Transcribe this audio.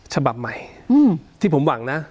ฉบับใหม่ที่ผมหวังนะ